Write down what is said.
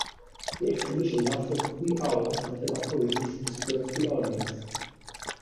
The exhibition lasted three hours until authorities dispersed the audience.